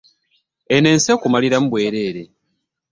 Eno ensi ekumaliramu bwerere.